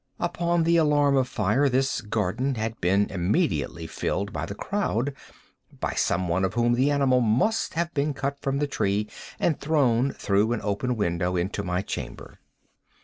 Upon the alarm of fire, this garden had been immediately filled by the crowd—by some one of whom the animal must have been cut from the tree and thrown, through an open window, into my chamber.